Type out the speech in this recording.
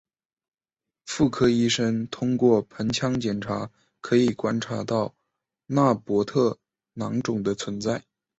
妇科医生通过盆腔检查可以观察到纳博特囊肿的存在。